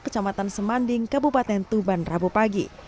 dan semanding kabupaten tuban rabu pagi